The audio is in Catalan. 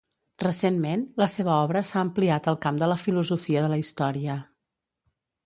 Recentment, la seva obra s'ha ampliat al camp de la filosofia de la història.